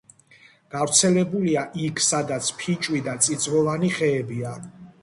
გავრცელებულია იქ, სადაც ფიჭვი და წიწვოვანი ხეებია.